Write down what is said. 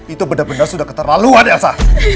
itu bener bener sudah keterlaluan elsa